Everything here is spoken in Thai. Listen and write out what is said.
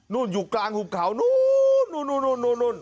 นู่นอยู่กลางหุบเขานู้นนู่น